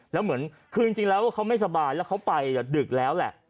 แล้วเหมือนคือจริงแล้วเขาไม่สบายแล้วเขาไปดึกแล้วแหละ